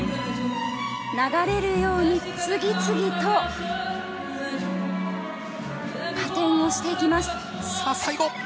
流れるように次々と加点をしていきます。